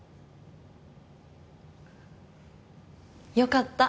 よかった。